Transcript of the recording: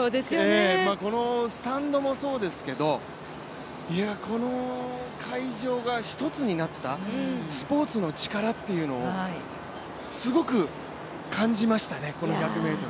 このスタンドもそうですけど、この会場が１つになった、スポーツの力というのをすごく感じましたね、この１００ｍ。